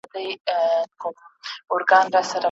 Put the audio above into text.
هسکه خاوره یې د بام لاندي تر پښو سوه